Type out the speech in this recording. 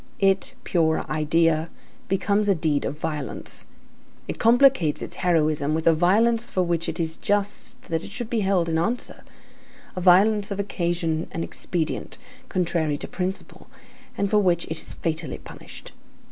It, pure idea, becomes a deed of violence. It complicates its heroism with a violence for which it is just that it should be held to answer; a violence of occasion and expedient, contrary to principle, and for which it is fatally punished.